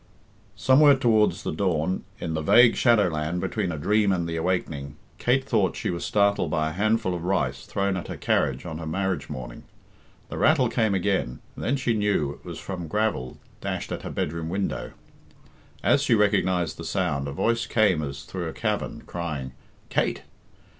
Somewhere towards the dawn, in the vague shadow land between a dream and the awakening, Kate thought she was startled by a handful of rice thrown at her carriage on her marriage morning. The rattle came again, and then she knew it was from gravel dashed at her bedroom window. As she recognised the sound, a voice came as through a cavern, crying, "Kate!"